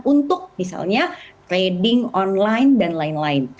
untuk misalnya trading online dan lain lain